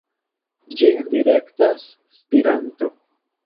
Ĝin direktas stiranto.